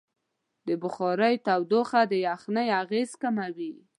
د بخارۍ تودوخه د یخنۍ اغېز کموي.